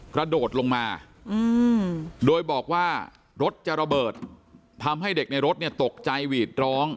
กระโดดลงมาโดยบอกว่ารถจะระเบิดทำให้เด็กในรถเนี่ยตกใจหวีดร้อง